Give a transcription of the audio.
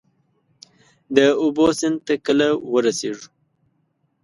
د اوبو، سیند ته کله ورسیږو؟